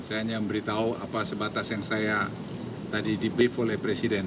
saya hanya memberitahu apa sebatas yang saya tadi di brief oleh presiden